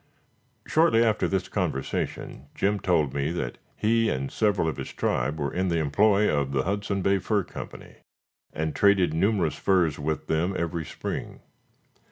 Shortly after this conversation, Jim told me that he and several of his tribe were in the employ of the Hudson Bay Fur Company, and traded numerous furs with them every spring.